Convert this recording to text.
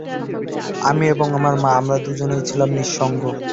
আমি এবং আমার মা, আমরা দুজনই ছিলাম নিঃসঙ্গ।